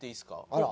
あら！